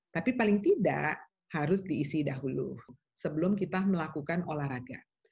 tapi paling tidak harus diisi dahulu sebelum kita melakukan olahraga